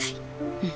うん。